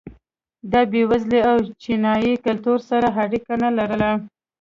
دا بېوزلي له چینايي کلتور سره اړیکه نه لرله.